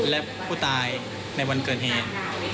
และผู้ตายในวันเกิดเหตุ